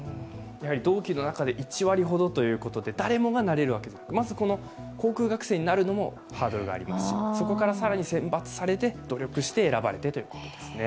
同期の中で１割ほどということで誰もがなれるわけでは、まずこの航空学生になるのも大変ですしそこから更に選抜されて努力して選ばれてということですね。